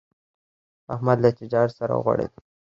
احمد له تجارت سره وغوړېدا.